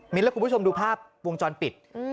และคุณผู้ชมดูภาพวงจรปิด